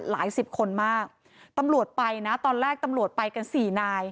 สิบคนมากตำรวจไปนะตอนแรกตำรวจไปกันสี่นาย